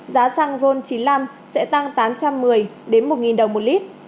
giá xăng ron chín mươi năm sẽ tăng tám trăm một mươi đến một đồng một lít